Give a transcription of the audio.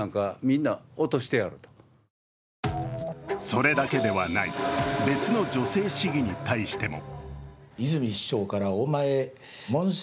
それだけではない、別の女性市議に対しても。